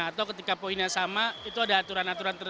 atau ketika poinnya sama itu ada aturan aturan tertentu